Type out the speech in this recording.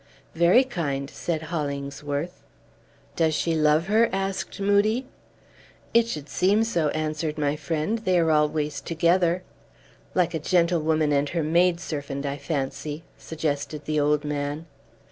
"Very kind," said Hollingsworth. "Does she love her?" asked Moodie. "It should seem so," answered my friend. "They are always together." "Like a gentlewoman and her maid servant, I fancy?" suggested the old man.